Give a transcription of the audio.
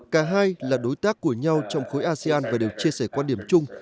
cả hai là đối tác của nhau trong khối asean và đều chia sẻ quan điểm chung